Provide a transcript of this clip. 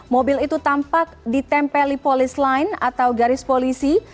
mobil itu tampak ditempeli polis lain atau garis polisi